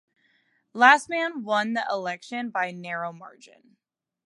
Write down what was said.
Lastman won the election by narrow margin.